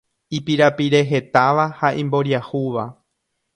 ipirapirehetáva ha imboriahúva